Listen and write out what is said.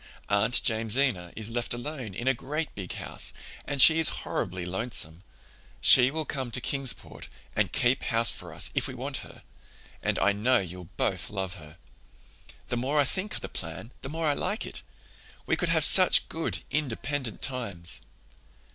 Aunt Jamesina is left alone in a great big house, and she is horribly lonesome. She will come to Kingsport and keep house for us if we want her, and I know you'll both love her. The more I think of the plan the more I like it. We could have such good, independent times.